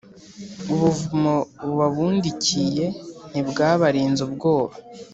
Ubuvumo bubabundikiye ntibwabarinze ubwoba,